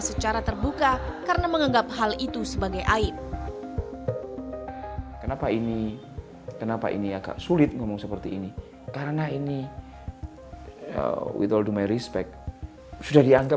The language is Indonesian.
selamatkan saya selamatkan saya